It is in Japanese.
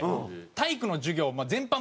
体育の授業全般